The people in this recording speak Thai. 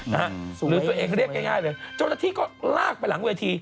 หรือตัวเองเรียกง่ายเลยเจ้าหน้าที่ก็ลากไปหลังเวที